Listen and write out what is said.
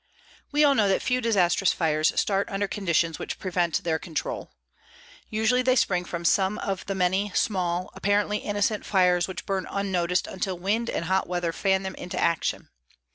We all know that few disastrous fires start under conditions which prevent their control. Usually they spring from some of the many small, apparently innocent fires which burn unnoticed until wind and hot weather fan them into action.